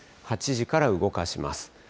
８時から動かします。